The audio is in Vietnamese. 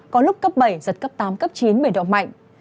có lúc cấp bảy giật cấp tám cấp chín bởi độ mạnh